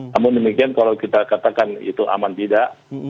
namun demikian kalau kita katakan itu aman tidak